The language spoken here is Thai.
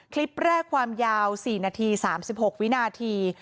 คลิปแรกความยาว๔นาที๓๖วินาที